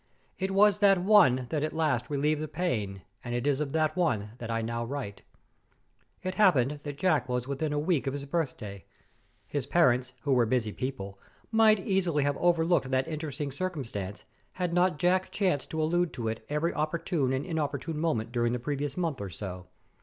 It was that one that at last relieved the pain, and it is of that one that I now write. It happened that Jack was within a week of his birthday. His parents, who are busy people, might easily have overlooked that interesting circumstance had not Jack chanced to allude to it at every opportune and inopportune moment during the previous month or so.